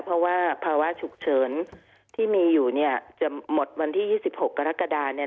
เพราะว่าภาวะฉุกเฉินที่มีอยู่เนี่ยจะหมดวันที่๒๖กรกฎาเนี่ย